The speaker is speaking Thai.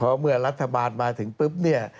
เพราะเมื่อรัฐบาลมาถึงปุ๊บเนี่ย